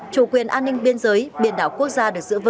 chủ quyền an ninh biên giới biển đảo quốc gia